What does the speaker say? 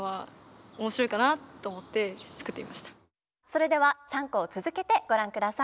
それでは３校続けてご覧ください。